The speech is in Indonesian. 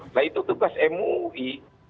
nah itu tugas mui